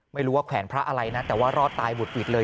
ว่าแขวนพระอะไรนะแต่ว่ารอดตายหุดหวิดเลย